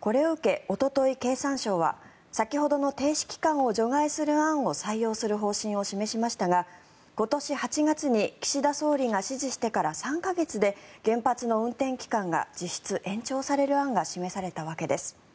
これを受け、おととい経産省は先ほどの停止期間を除外する案を採用する方針を示しましたが今年８月に岸田総理が指示してから３か月で原発の運転期間が実質延長される案が示されたわけです。